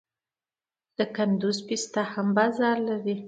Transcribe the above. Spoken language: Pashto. د کندز پسته هم بازار لري.